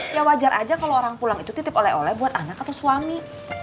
ya wajar aja kalau orang pulang itu titip oleh oleh buat anak atau suami